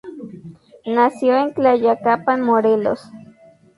Nació en Tlayacapan, Morelos.